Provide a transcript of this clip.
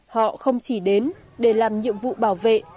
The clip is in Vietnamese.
họ không chỉ đến để làm nhiệm vụ bảo vệ